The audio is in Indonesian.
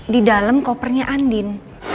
di dalam kopernya andin